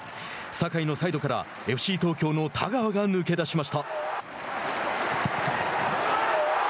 酒井のサイドからＦＣ東京の田川が抜け出しました。